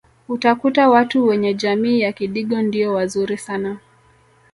utakuta watu wenye jamii ya kidigo ndio wazuri sana